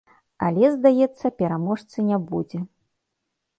Але, здаецца, пераможцы не будзе.